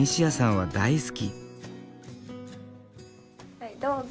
はいどうぞ。